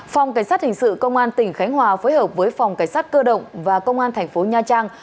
phòng cảnh sát hình sự công an tỉnh khánh hòa phối hợp với phòng cảnh sát cơ động và công an thành phố nha trang